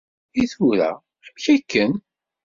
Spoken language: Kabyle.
I tura, amek akken?